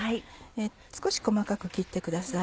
少し細かく切ってください。